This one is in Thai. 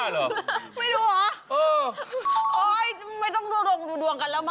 ได้เวลาที่จะหาผู้โชคดีแล้วงั้นโกยเลยครับ